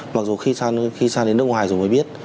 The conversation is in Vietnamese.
mặc dù khi sang đến nước ngoài rồi mới biết